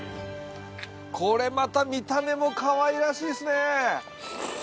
これまた見た目もかわいらしいですね。